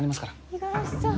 五十嵐さん。